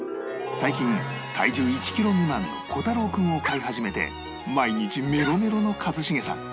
最近体重１キロ未満の虎太郎くんを飼い始めて毎日メロメロの一茂さん